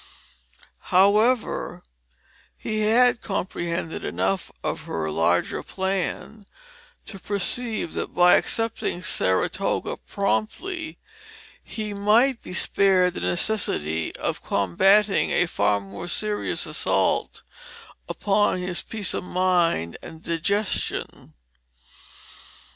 However, he had comprehended enough of her larger plan to perceive that by accepting Saratoga promptly he might be spared the necessity of combating a far more serious assault upon his peace of mind and digestion.